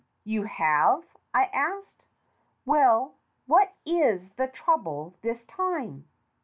"You have ?" I said. "Well, what is the trouble this time?"